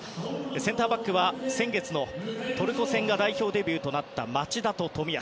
センターバックは先月のトルコ戦が代表デビューとなった町田と冨安。